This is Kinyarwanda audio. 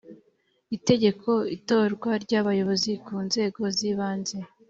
tegeko itorwa ry abayobozi ku nzego z ibanze